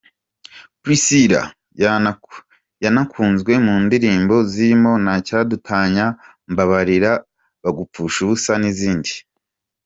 Priscillah yanakunzwe mu ndirimbo zirimo ’Ntacyadutanya’, ’Mbabarira’, ’Bagupfusha ubusa’ n’izindi.